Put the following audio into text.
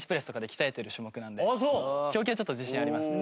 胸筋はちょっと自信ありますね。